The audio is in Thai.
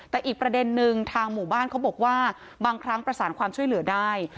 แต่อีกประเด็นนึงทางหมู่บ้านเขาบอกว่าบางครั้งประสานความช่วยเหลือได้